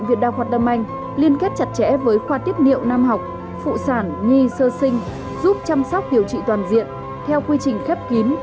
hãy đăng ký kênh để ủng hộ kênh của chúng tôi nhé